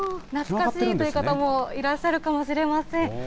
懐かしいという方もいらっしゃるかもしれません。